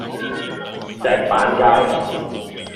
石板街